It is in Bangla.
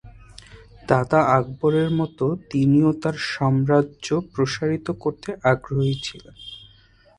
দাদা আকবরের মতো তিনিও তার সাম্রাজ্য প্রসারিত করতে আগ্রহী ছিলেন।